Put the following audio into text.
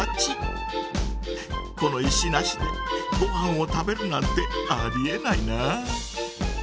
この石なしでごはんを食べるなんてありえないな。